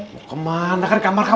mau kemana kan di kamar kamu